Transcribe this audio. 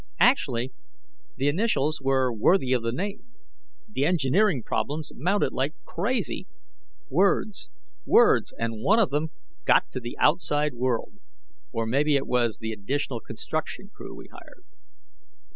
Actually, the initials were worthy of the name. The engineering problems mounted like crazy. Words, words, and one of them got to the outside world. Or maybe it was the additional construction crew we hired.